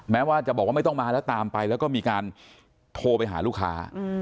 แม้ว่าจะบอกว่าไม่ต้องมาแล้วตามไปแล้วก็มีการโทรไปหาลูกค้า